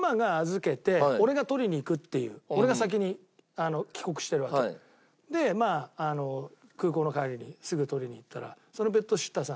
俺が先に帰国してるわけ。で空港の帰りにすぐ取りに行ったらそのペットシッターさん